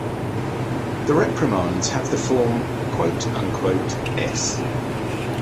The reprimands have the form: “”S.